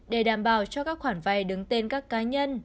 để đảm bảo cho các khoản vay đứng tên các cá nhân